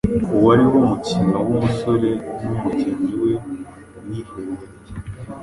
uwo wari umukino w’umusore n’umugeni we biherereye.